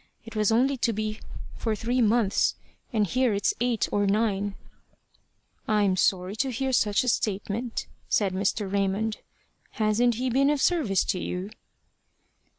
It was only to be for three months, and here it's eight or nine." "I'm sorry to hear such a statement," said Mr. Raymond. "Hasn't he been of service to you?"